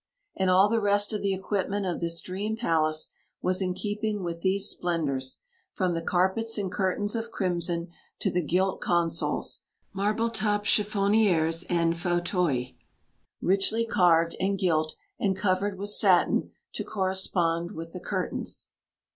And all the rest of the equipment of this dream palace was in keeping with these splendours, from the carpets and curtains of crimson to the gilt consoles, marble topped chiffonières, and fauteuils "richly carved and gilt and covered with satin to correspond with the curtains."